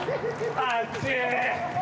熱い。